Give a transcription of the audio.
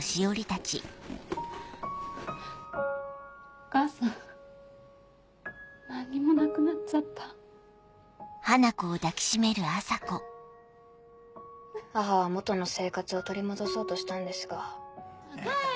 お母さん何にもなくなっちゃ母は元の生活を取り戻そうとしたんですが。